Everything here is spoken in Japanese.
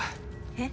えっ！